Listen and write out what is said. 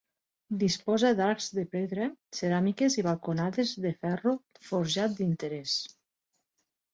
Disposa d'arcs de pedra, ceràmiques i balconades de ferro forjat d'interès.